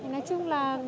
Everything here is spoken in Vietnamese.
nói chung là